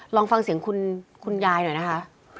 ลองฟังเสียงคุณยายหน่อยนะคะ